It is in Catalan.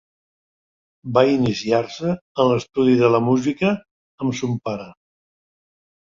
Va iniciar-se en l'estudi de la música amb son pare.